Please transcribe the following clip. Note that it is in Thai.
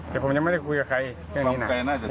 แต่ผมยังไม่ได้คุยกับใครเรื่องนี้นะ